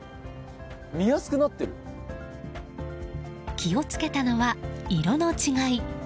気を付けたのは、色の違い。